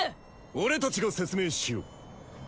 俺たちが説明しよう。